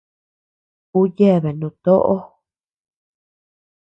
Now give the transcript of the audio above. Ú yeabea nutóʼo.